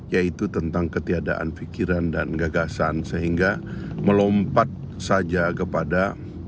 yaitu tentang ketiadaan pikiran dan gagasan sehingga melompat saja kepada